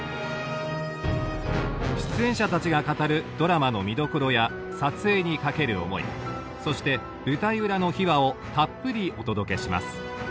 出演者たちが語るドラマの見どころや撮影にかける思いそして舞台裏の秘話をたっぷりお届けします。